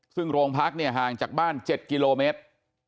ซึ่งโรงพักเนี่ยห่างจากบ้าน๗กิโลเมตร